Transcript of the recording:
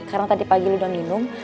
karena tadi pagi lo udah minum